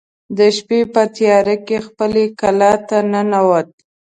د شپې په تیاره کې خپلې کلا ته ننوت.